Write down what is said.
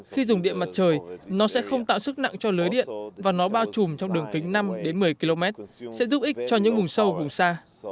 khi dùng điện mặt trời nó sẽ không tạo sức nặng cho lưới điện và nó bao trùm trong đường kính năm đến một mươi km sẽ giúp ích cho những vùng sâu vùng xa